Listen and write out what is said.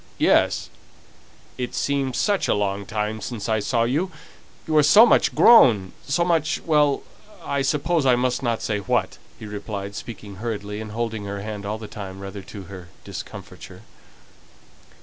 "Yes; it seems such a long time since I saw you. You are so much grown so much well, I suppose I mustn't say what," he replied, speaking hurriedly, and holding her hand all the time, rather to her discomfiture.